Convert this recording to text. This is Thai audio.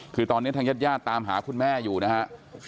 คือตอนนี้ทางญาติญาติตามหาคุณแม่อยู่นะฮะ